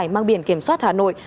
mang biển kiểm soát hà nội